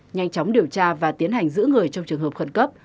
nhanh chóng điều tra và tiến hành giữ người trong trường hợp khẩn cấp